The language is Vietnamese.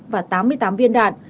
và tám mươi tám viên đạn